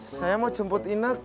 saya mau jemput ineke be